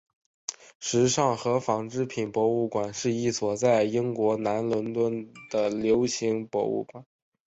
时尚和纺织品博物馆是一所在英国南伦敦的流行博物馆。